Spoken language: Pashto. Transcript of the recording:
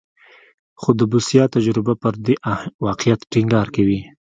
خو د بوسیا تجربه پر دې واقعیت ټینګار کوي.